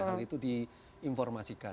hal itu diinformasikan